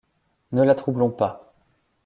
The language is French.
Ne la troublons pas.